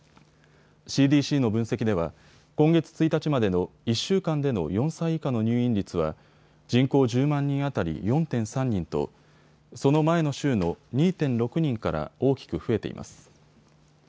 ＣＤＣの分析では今月１日までの１週間での４歳以下の入院率は人口１０万人当たり４．３人とその前の週の２．６人から大きく増えています。